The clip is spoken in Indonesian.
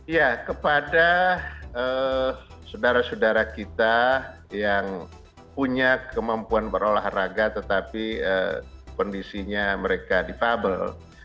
ya kepada saudara saudara kita yang punya kemampuan berolahraga tetapi kondisinya mereka difabel